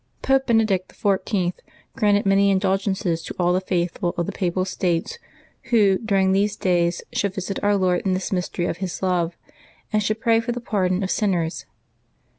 Pope Benedict XIV. granted many indulgences to all the faithful of the Papal States who, during these days, should visit Our Lord in this mys tery of His love, and should pray for the pardon of sin ners.